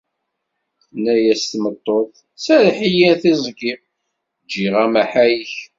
Tenna-yas tmeṭṭut: "Serreḥ-iyi, a tiẓgi, ǧǧiɣ-am aḥayek".